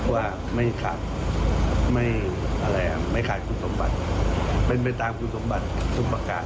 ว่าไม่ขาดคุณสมบัติเป็นไปตามคุณสมบัติทุกประการ